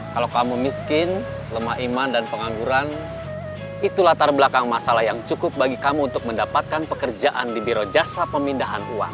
kalau kamu miskin lemah iman dan pengangguran itu latar belakang masalah yang cukup bagi kamu untuk mendapatkan pekerjaan di biro jasa pemindahan uang